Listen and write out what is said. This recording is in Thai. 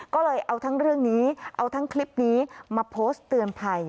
ก็เลยเอาทั้งเรื่องนี้เอาทั้งคลิปนี้มาโพสต์เตือนภัย